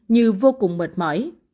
như vô cùng mệt mỏi